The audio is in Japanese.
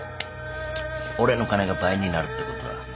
俺の金が倍になるってことだ。